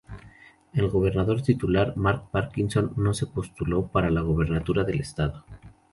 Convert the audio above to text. El gobernador titular Mark Parkinson no se postuló para la gobernatura del estado.